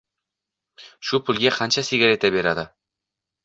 ! Shu pulga qancha sigareta keladi?